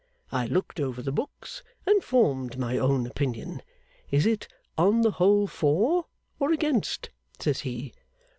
I looked over the books, and formed my own opinion. "Is it, on the whole, for, or against?" says he.